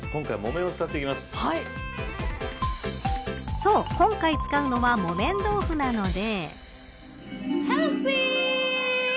そう、今回使うのは木綿豆腐なので。